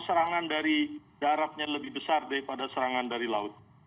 serangan dari daratnya lebih besar daripada serangan dari laut